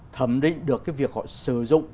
thẩm định được cái việc họ sử dụng